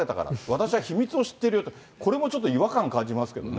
私は秘密を知ってるよって、これもちょっと違和感感じますよね。